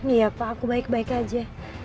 iya pak aku baik baik aja